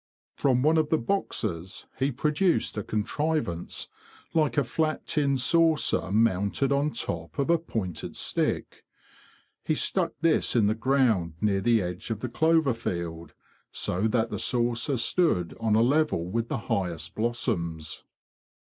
From one of the boxes he produced a contrivance like a flat tin saucer mounted on top of a pointed stick. He stuck this in the ground near the edge of the clover field so that the saucer stood on a 76 THE BEE MASTER OF WARRILOW level with the highest blossoms.